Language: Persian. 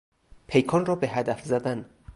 پیکان را به هدف زدن